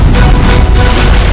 kau akan menang